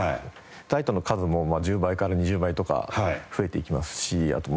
ライトの数も１０倍から２０倍とか増えていきますしあと